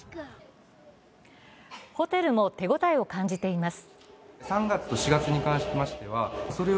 ホテルも手応えを感じています。